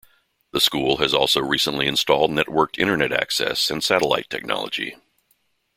The school has also recently installed networked internet access and satellite technology.